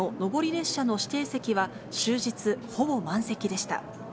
列車の指定席は終日、ほぼ満席でした。